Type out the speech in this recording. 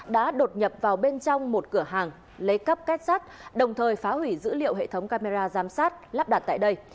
đã đột nhập vào bên trong một cửa hàng lấy cắp kết sắt đồng thời phá hủy dữ liệu hệ thống camera giám sát lắp đặt tại đây